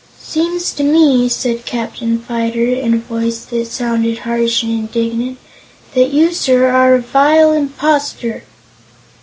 "Seems to me," said Captain Fyter, in a voice that sounded harsh and indignant, "that you, sir, are a vile impostor!"